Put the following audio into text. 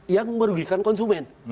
yang merugikan konsumen